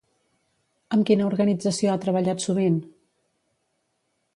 Amb quina organització ha treballat sovint?